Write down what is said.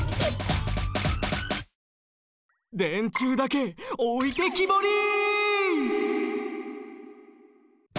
電柱だけおいてきぼり！